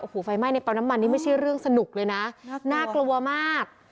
โอ้โหไฟไหม้ในปั๊มน้ำมันนี่ไม่ใช่เรื่องสนุกเลยนะน่ากลัวมาก